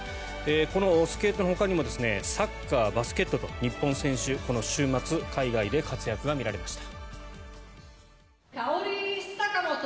このスケートのほかにもサッカーやバスケットと日本選手、この週末海外で活躍が見られました。